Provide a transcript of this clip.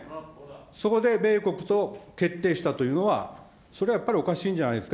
そこで米国と決定したというのは、それはやっぱりおかしいんじゃないですか。